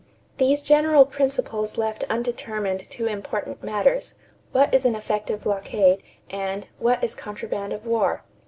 These general principles left undetermined two important matters: "What is an effective blockade?" and "What is contraband of war?"